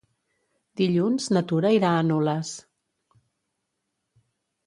Dilluns na Tura irà a Nules.